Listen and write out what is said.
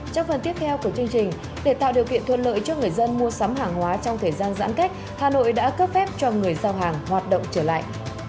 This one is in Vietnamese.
trong phần tiếp theo của chương trình để tạo điều kiện thuận lợi cho người dân mua sắm hàng hóa trong thời gian giãn cách hà nội đã cấp phép cho người giao hàng hoạt động trở lại